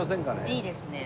いいですね。